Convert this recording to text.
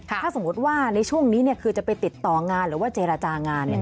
ถ้าสมมุติว่าในช่วงนี้คือจะไปติดต่องานหรือว่าเจรจางาน